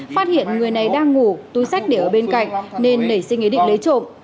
phát hiện người này đang ngủ túi sách để ở bên cạnh nên nảy sinh ý định lấy trộm